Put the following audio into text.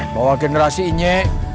bahwa generasi inye